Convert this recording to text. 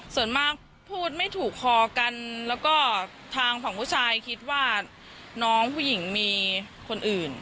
ส่วนมากพูดไม่ถูกคอกันแล้วก็ทางฝั่งผู้ชายคิดว่าน้องผู้หญิงมีคนอื่น